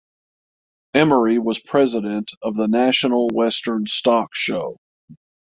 Emery was president of the National Western Stock Show.